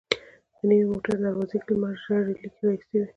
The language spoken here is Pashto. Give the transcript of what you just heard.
د نوې موټر دروازو کې لمر ژېړې ليکې ايستې وې.